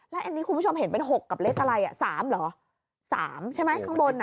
แล้วอันนี้คุณผู้ชมเห็นเป็น๖กับเลขอะไรอ่ะ๓เหรอ๓ใช่ไหมข้างบนอ่ะ